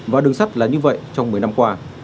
và đường sắt là như vậy trong một mươi năm qua